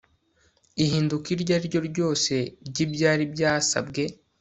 Ihinduka iryo ari ryo ryose ry ibyari byasabwe